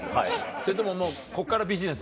それとももうこっからビジネス？